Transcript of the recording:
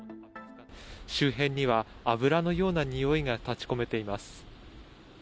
周辺には、油のようなにおいが立ちこめています。